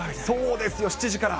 そうですよ、７時から。